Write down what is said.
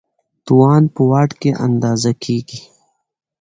توان په واټ کې اندازه کېږي.